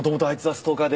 ストーカー？